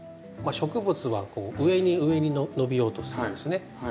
植物は上に上に伸びようとするんですね。